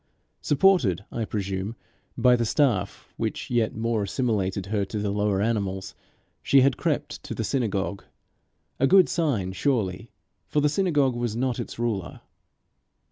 Supported, I presume, by the staff which yet more assimilated her to the lower animals, she had crept to the synagogue a good sign surely, for the synagogue was not its ruler.